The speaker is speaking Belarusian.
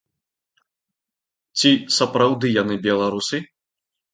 Ці сапраўды яны беларусы?